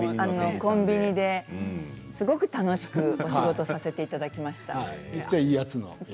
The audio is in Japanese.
コンビニですごく楽しく仕事させていただきました。